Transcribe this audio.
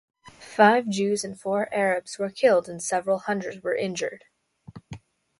Five Jews and four Arabs were killed, and several hundred were injured.